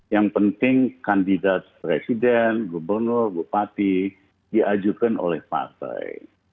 yang penting kandidat presiden gubernur bupati diajukan oleh partai